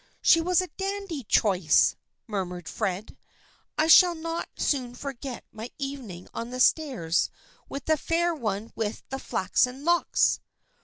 " She was a dandy choice !" murmured Fred. I shall not soon forget my evening on the stairs with the Fair One with the Flaxen Locks